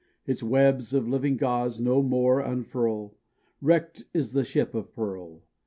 Its webs of living gauze no more unfurl! Wrecked is the ship of pearl!